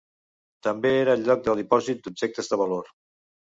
També era el lloc de dipòsit d'objectes de valor.